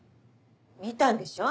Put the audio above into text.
見たんでしょ？